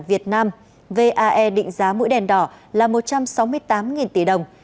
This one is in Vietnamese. việt nam vae định giá mũi đèn đỏ là một trăm sáu mươi tám tỷ đồng